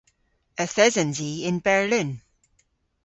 Yth esens i yn Berlin.